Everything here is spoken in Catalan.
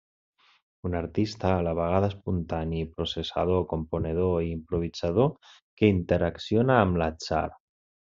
Un artista a la vegada espontani i processador, componedor i improvisador, que interacciona amb l'atzar.